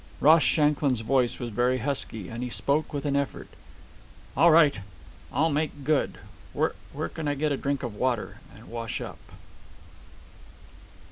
Ross Shanklin's voice was very husky, and he spoke with an effort. "All right. I'll make good. Where can I get a drink of water and wash up?"